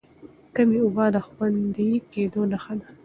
کمې اوبه د خوندي کېدو نښه ده.